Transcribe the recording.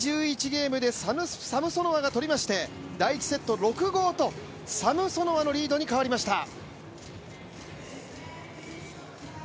ゲームでサムソノワが取りまして第１セット６−５とサムソノワのリードに変わりました。